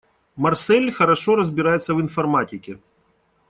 Марсель хорошо разбирается в информатике.